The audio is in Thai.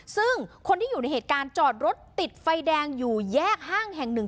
ซึ่งคนที่อยู่ในเหตุการณ์จอดรถติดไฟแดงอยู่แยกห้างแห่งหนึ่ง